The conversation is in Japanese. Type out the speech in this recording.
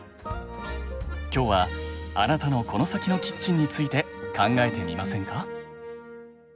今日はあなたのコノサキのキッチンについて考えてみませんか？